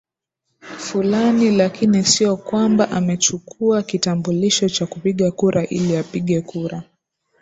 fulani lakini sio kwamba amechukua kitambulisho cha kupiga kura ili apige kura